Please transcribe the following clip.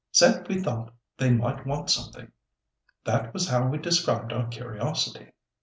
Said we thought they might want something. That was how we described our curiosity."